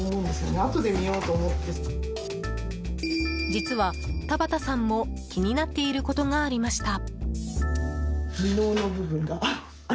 実は、田畑さんも気になっていることがありました。